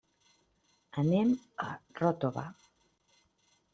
Anem a Ròtova.